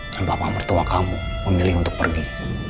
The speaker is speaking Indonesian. dan papa mertua kamu memilih untuk pergi